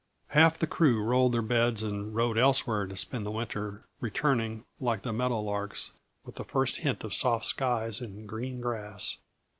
Half the crew rolled their beds and rode elsewhere to spend the winter, returning, like the meadowlarks, with the first hint of soft skies and green grass.